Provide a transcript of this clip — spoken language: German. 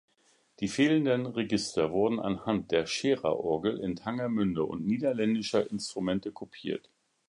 Die fehlenden Register wurden anhand der Scherer-Orgel in Tangermünde und niederländischer Instrumente kopiert.